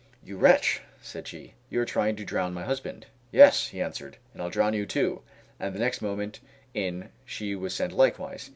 "You wretch!" said she, "you are trying to drown my husband." "Yes!" he answered, "and I'll drown you too," and the next moment in she was sent likewise.